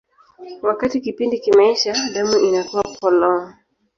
Wakati kipindi kimeisha, damu inakuwa polong.